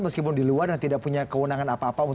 meskipun di luar dan tidak punya kewenangan apa apa